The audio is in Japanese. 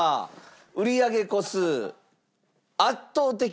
売り上げ個数圧倒的。